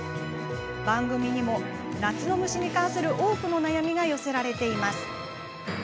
番組にも夏の虫に関する多くの悩みが寄せられています。